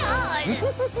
ウフフフ。